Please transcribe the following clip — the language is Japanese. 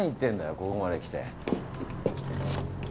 ここまで来て。